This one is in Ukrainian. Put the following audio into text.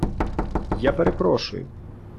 Я перепрошую!